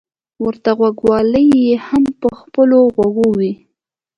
ورته غوږوالۍ يې هم په خپلو غوږو وې.